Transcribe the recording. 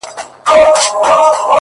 جانان ارمان د هره یو انسان دی والله،